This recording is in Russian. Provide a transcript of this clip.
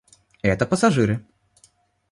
Это пассажиры.